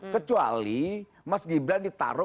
kecuali mas gibran ditaruh